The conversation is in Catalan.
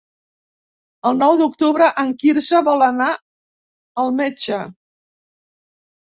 El nou d'octubre en Quirze vol anar al metge.